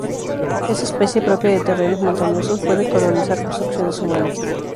Esta especie, propia de terrenos montañosos, puede colonizar construcciones humanas.